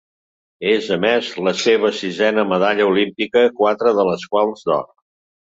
És, a més, la seva sisena medalla olímpica, quatre de les quals d’or.